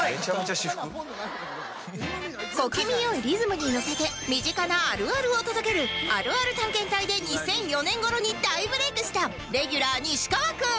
小気味良いリズムにのせて身近なあるあるを届けるあるある探検隊で２００４年頃に大ブレイクしたレギュラー西川くん